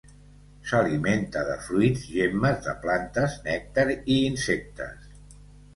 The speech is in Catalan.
S'alimenta de fruits, gemmes de plantes, nèctar i insectes.